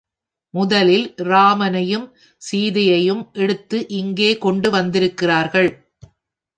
முதலில் ராமனையும் சீதையையும் எடுத்து இங்கே கொண்டு வந்திருக்கிறார்கள்.